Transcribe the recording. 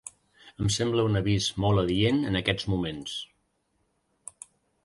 Em sembla un avís molt adient en aquests moments.